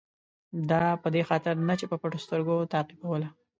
دا په دې خاطر نه چې په پټو سترګو تعقیبوله.